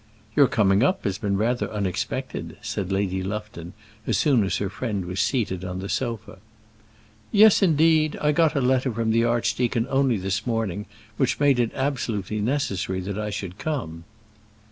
"Your coming up has been rather unexpected," said Lady Lufton, as soon as her friend was seated on the sofa. "Yes, indeed; I got a letter from the archdeacon only this morning, which made it absolutely necessary that I should come."